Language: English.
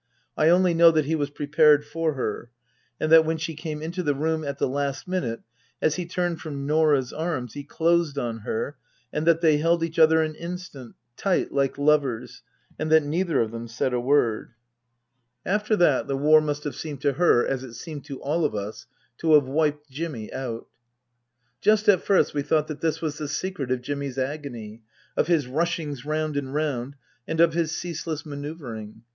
I only know that he was prepared for her ; and that when she came into the room at the last minute, as he turned from Norah's arms, he closed on her, and that they held each other an instant tight, like lovers and that neither of them said a word. 17* 260 Tasker Jevons After that the War must have seemed to her, as it seemed to all of us, to have wiped Jimmy out. Just at first we thought that this was the secret of Jimmy's agony, of his rushings round and round, and of his ceaseless manoeuvring.